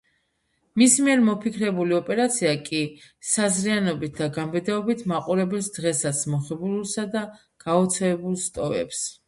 მის მიერ მოფიქრებული ოპერაცია კი, საზრიანობით და გამბედაობით მაყურებელს დღესაც მოხიბლულსა და გაოცებულს ტოვებს.